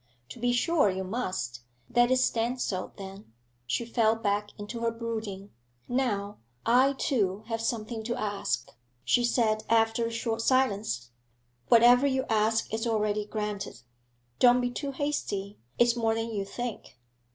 'To be sure, you must. Let it stand so, then.' She fell back into her brooding. 'Now I, too, have something to ask,' she said, after a short silence. 'Whatever you ask is already granted.' 'Don't be too hasty. It's more than you think.'